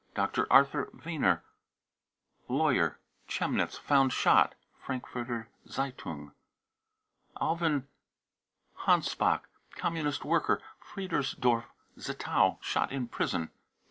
dr. Arthur weiner, lawyer, Chemnitz, found shot. (Frankfurter Z e ^ un i>) alwin hanspach, Communist worker, Friedersdorf, Zittau, shot in prison.